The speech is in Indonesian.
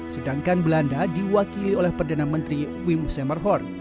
sedangkan belanda diwakili oleh perdana menteri wim semerhor